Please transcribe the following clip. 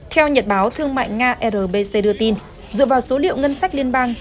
theo nhật báo thương mại nga rbc đưa tin dựa vào số liệu ngân sách liên bang